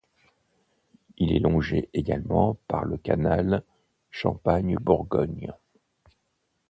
Il est longé également par le canal Champagne-Bourgogne.